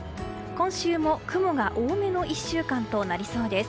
今週も雲が多めの１週間となりそうです。